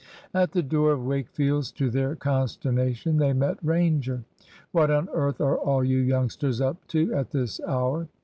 At the door of Wakefield's, to their consternation, they met Ranger. "What on earth are all you youngsters up to at this hour?"